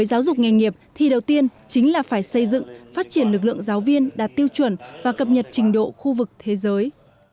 để giáo dục nghề nghiệp thì đầu tiên chính là phải xây dựng phát triển lực lượng giáo viên đạt tiêu chuẩn và cập nhật trình độ khu vực thế giới